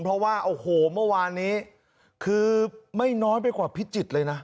เพราะว่าโอ้โหเมื่อวานนี้คือไม่น้อยไปกว่าพิจิตรเลยนะ